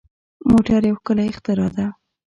موټر یو ښکلی اختراع ده.